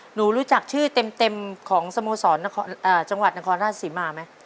หนูรู้จักชื่อเต็มของสโมสรจังหวัดนครราชศรีมาไหม